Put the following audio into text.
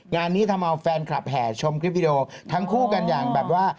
งานนี้ทำเอาแฟนคลับแห่ชมคลิปวิดีโอทั้งคู่กันอย่างแบบว่า